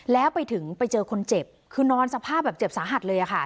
แล้วไปถึงไปเจอคนเจ็บคือนอนสภาพแบบเจ็บสาหัสเลยค่ะ